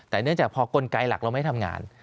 แต่เนื่องจากพอกลไกหลักเราไม่ทำงาน